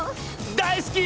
大好き！